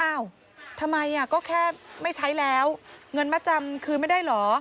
ทำไมก็แค่ไม่ใช้แล้วเงินมาจำคืนไม่ได้เหรอ